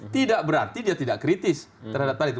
tidak berarti dia tidak kritis terhadap hal itu